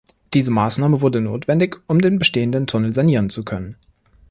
Diese Maßnahme wurde notwendig, um den bestehenden Tunnel sanieren zu können.